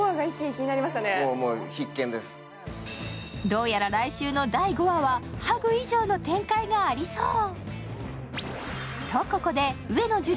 どうやら来週の第５話は、ハグ以上の展開がありそう。